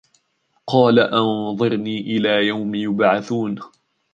قَالَ أَنْظِرْنِي إِلَى يَوْمِ يُبْعَثُونَ